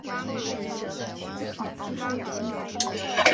气候介于温带大陆性气候和海洋性气候。